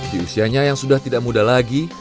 di usianya yang sudah tidak muda lagi